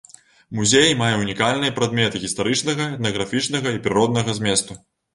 Музей мае унікальныя прадметы гістарычнага, этнаграфічнага і прыроднага зместу.